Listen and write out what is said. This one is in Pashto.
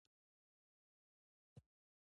دا میوه د هډوکو روغتیا ته ګټوره ده.